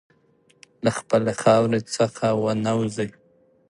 له خپلې خاورې څخه ونه وځې.